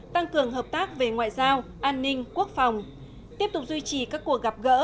tăng cường hợp tác về ngoại giao an ninh quốc phòng tiếp tục duy trì các cuộc gặp gỡ